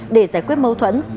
để giải quyết mâu thuẫn